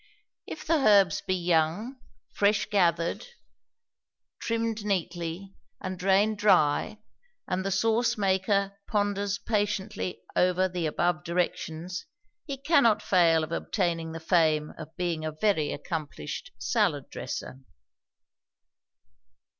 If the herbs be young, fresh gathered, trimmed neatly, and drained dry and the sauce maker ponders patiently over the above directions, he cannot fail of obtaining the fame of being a very accomplished salad dresser.